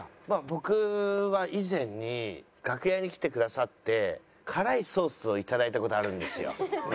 僕は以前に楽屋に来てくださって辛いソースを頂いた事あるんですよ。